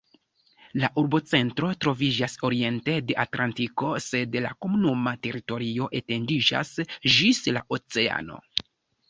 La urbocentro troviĝas oriente de Atlantiko, sed la komunuma teritorio etendiĝas ĝis la oceano.